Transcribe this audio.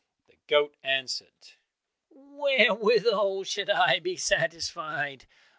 The goat answered, "Wherewithal should I be satisfied?